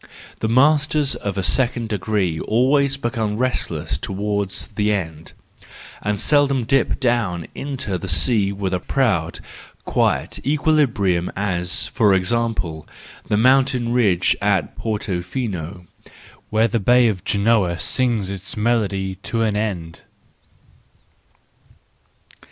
The masters of the second degree always become restless towards the end, and seldom dip down into the sea with such proud, quiet equilibrium as, for example, the mountain ridge at Porto fino — where the Bay of Genoa sings its melody to an end.